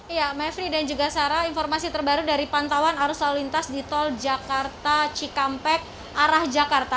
iya mevri dan juga sarah informasi terbaru dari pantauan arus lalu lintas di tol jakarta cikampek arah jakarta